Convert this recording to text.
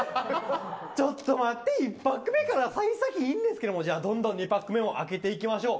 ちょっと待って、１パック目から幸先いいんですけどどんどん２パック目も開けていきましょう。